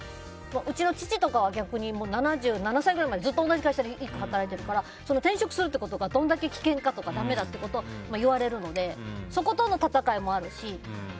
うちの父とかは逆に７７歳ぐらいまでずっと同じ会社で働いているから、転職することがどれだけ危険かとかだめだってことを言われるのでそことの戦いもあるし。